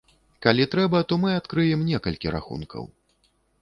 Калі трэба, то мы адкрыем некалькі рахункаў.